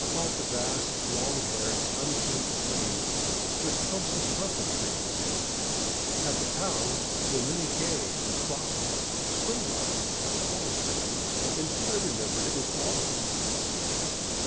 About the vast, long haired, unkempt plains stood clumps of pampa trees ; at the towns were many gay with blossoms — spring blossoms, I had almost written, until I remembered it was autumn.